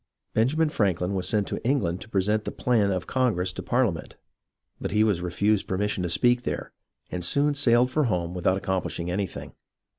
Benjamin Franklin was sent to England to present the plan of Congress to Parliament, but he was refused per mission to speak there, and soon sailed for home without accomplishing anything.